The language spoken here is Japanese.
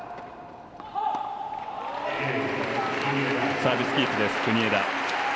サービスキープです、国枝。